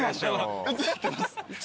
映ってます。